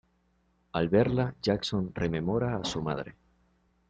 Al verla, Jason rememora a su madre.